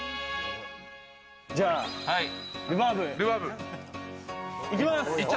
じゃあ、ルバーブ、行きます！